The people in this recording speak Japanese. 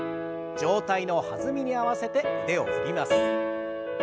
上体の弾みに合わせて腕を振ります。